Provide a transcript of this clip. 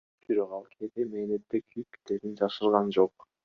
Бирок, ал кээде мээнети күйүп кетээрин жашырган жок.